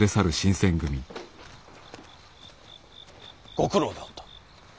ご苦労であった。